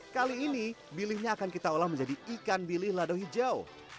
kali ini bilihnya akan kita olah menjadi ikan bilih lado hijau